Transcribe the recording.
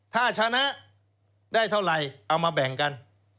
ถ้าชนะได้เท่าไหร่เอามาแบ่งกัน